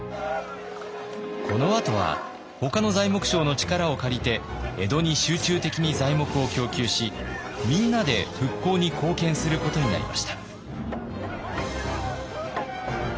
このあとはほかの材木商の力を借りて江戸に集中的に材木を供給しみんなで復興に貢献することになりました。